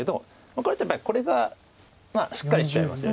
これだとこれがしっかりしちゃいますよね。